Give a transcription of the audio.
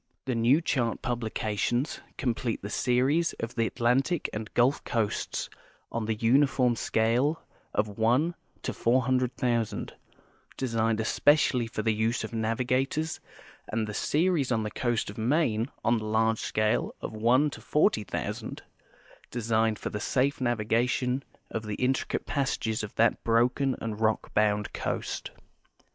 The new chart publications complete the series of the Atlantic and Gulf coasts on the uniform scale of 1 : 400,000, designed especially for the use of navigators, and the series on the coast of INIaine on the large scale of 1 : 40,000, designed for the safe navigation of the in tricate jjassages of that broken and rock bound coast.